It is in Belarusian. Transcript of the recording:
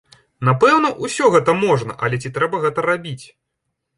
Напэўна, усё гэта можна, але ці трэба гэта рабіць!?